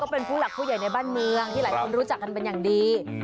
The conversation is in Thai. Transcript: เป็นผู้หลักผู้ใหญ่ในบ้านเมืองที่หลายคนรู้จักกันเป็นอย่างดี